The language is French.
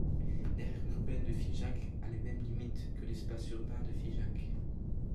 L’aire urbaine de Figeac a les mêmes limites que l’espace urbain de Figeac.